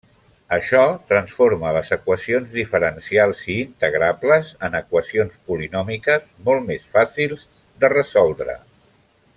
Això transforma les equacions diferencials i integrables en equacions polinòmiques, molt més fàcils de resoldre.